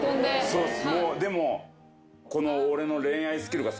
そうっす。